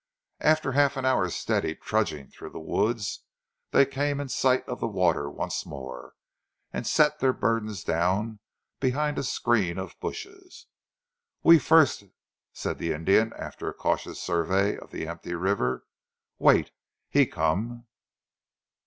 After half an hour's steady trudging through the woods, they came in sight of the water once more, and set their burdens down behind a screen of bushes. "We first," said the Indian after a cautious survey of the empty river. "Wait! He come."